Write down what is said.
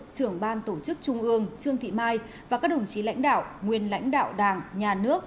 trưởng ban tổ chức trung ương trương thị mai và các đồng chí lãnh đạo nguyên lãnh đạo đảng nhà nước